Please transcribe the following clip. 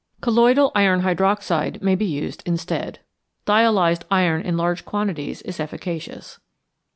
Colloidal iron hydroxide may be used instead. Dialyzed iron in large quantities is efficacious.